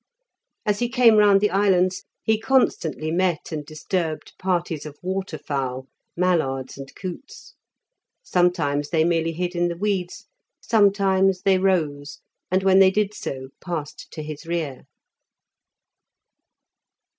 As he came round the islands he constantly met and disturbed parties of waterfowl, mallards, and coots. Sometimes they merely hid in the weeds, sometimes they rose, and when they did so passed to his rear.